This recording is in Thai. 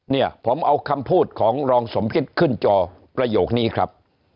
เนี่ยผมเอาคำพูดของรองสมคิดขึ้นจอประโยคนี้ครับ